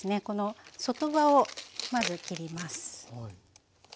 この外葉をまず切ります。